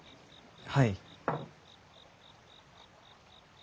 はい。